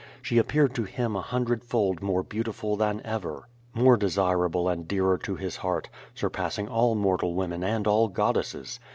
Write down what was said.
She appeared to him a hundredfold more beautiful than ever, more desirable and dearer to his heart, surpassing all mortal women and all goddesses.